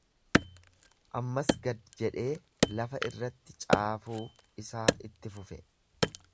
Ammas gad jedhee lafa irratti caafuu isaa itti fufe.